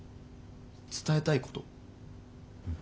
伝えたいこと？